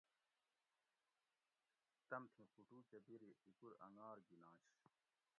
تمتھی فُٹو کہۤ بیری ہِیکور انگار گِننش